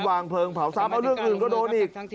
วางเพลิงเผาซ้ำเอาเรื่องอื่นก็โดนอีก